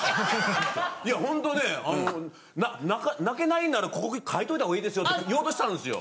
いやホントね泣けないんならここに書いといた方が良いですよって言おうとしたんですよ。